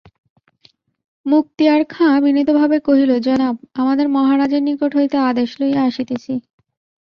মুক্তিয়ার খাঁ বিনীতভাবে কহিল, জনাব, আমাদের মহারাজের নিকট হইতে আদেশ লইয়া আসিতেছি।